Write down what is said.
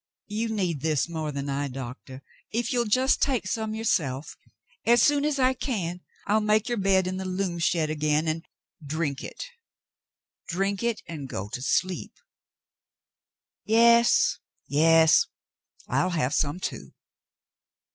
"You need this more than I, Doctah. If you'll just take some yourself, as soon as I can I'll make your bed in the loom shed again, and —"*' Drink it; drink it and go to sleep. Yes, yes. I'll have some, too.'